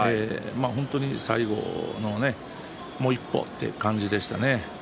本当に最後のもう一歩という感じでしたね。